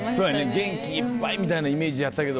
元気いっぱいみたいなイメージやったけども。